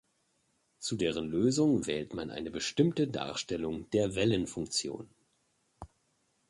Zu deren Lösung wählt man eine bestimmte Darstellung der Wellenfunktion.